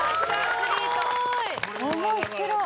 面白い。